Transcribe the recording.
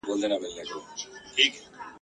له چڼچڼو، توتکیو تر بازانو !.